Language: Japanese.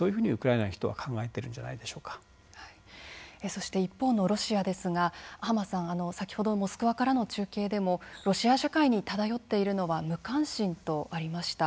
そして一方のロシアですが浜さん先ほどモスクワからの中継でも「ロシア社会に漂っているのは無関心」とありました。